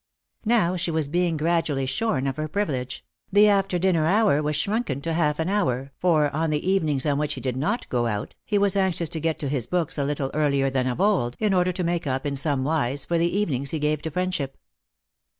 Now she was being gradually shorn of her privilege ; the after dinner hour was shrunken to half an hour, for, on the evenings on which he did not go out, he was anxious to get to his books a little earlier than of old, in order to make up, in some wise, for the evenings he gave to friendship.